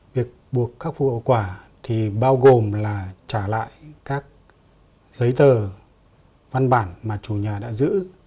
việc buộc khắc phục hậu quả thì bao gồm là trả lại các giấy tờ văn bản mà chủ nhà đã giữ